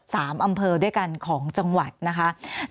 อำเภอด้วยกันของจังหวัดนะคะ